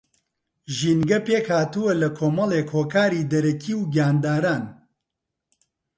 ژینگە پێکھاتووە لە کۆمەڵێک ھۆکاری دەرەکی و گیانداران